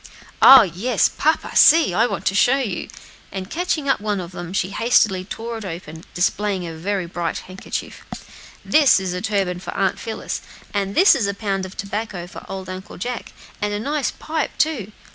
"Oh! yes, papa see! I want to show you!" and catching up one of them, she hastily tore it open, displaying a very gay handkerchief. "This is a turban for Aunt Phillis; and this is a pound of tobacco for old Uncle Jack, and a nice pipe, too.